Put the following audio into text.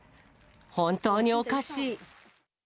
本当におかしい。